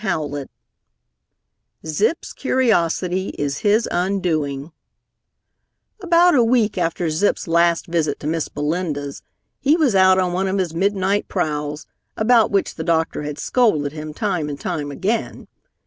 CHAPTER X ZIP'S CURIOSITY IS HIS UNDOING About a week after Zip's last visit to Miss Belinda's, he was out on one of his midnight prowls, about which the doctor had scolded him time and time again.